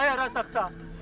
ya e cadakis